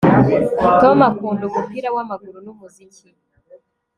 Tom akunda umupira wamaguru numuziki